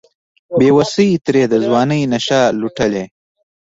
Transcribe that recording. بیوسۍ ترې د ځوانۍ نشه لوټلې